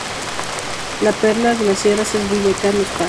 La perla de las sierras es Villa Carlos Paz.